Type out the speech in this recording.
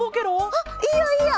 あっいいよいいよ！